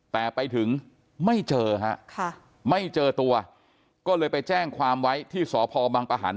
แต่ไปถึงไม่เจอฮะค่ะไม่เจอตัวก็เลยไปแจ้งความไว้ที่สพบังปะหัน